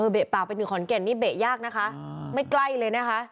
เบะปากไปหนึ่งขอนแก่นนี่เบะยากนะคะไม่ใกล้เลยนะคะ